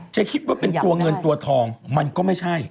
จะคิดว่าเป็นตัวเงินตัวทองมันก็ไม่ใช่